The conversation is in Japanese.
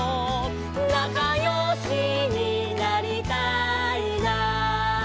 「なかよしになりたいな」